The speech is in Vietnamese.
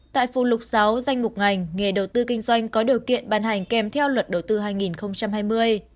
tại phù lục sáu danh mục ngành nghề đầu tư kinh doanh có điều kiện ban hành kèm theo luật đầu tư hai nghìn hai mươi